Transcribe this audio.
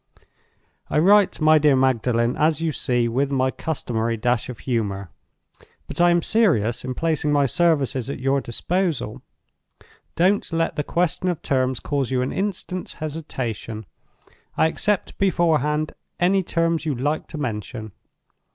"I write, my dear Magdalen, as you see, with my customary dash of humor. But I am serious in placing my services at your disposal. Don't let the question of terms cause you an instant's hesitation. I accept beforehand any terms you like to mention.